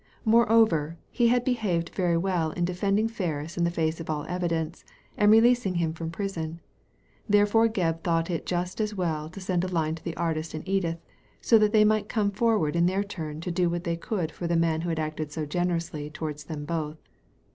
Moreover, he had behaved very well in defending Ferris in the face of all evidence, and releasing him from prison ; therefore Gebb thought it just as well to send a line to the artist and Edith, so that they might come forward in their turn to do what they could for the man who had acted so generously towards them both.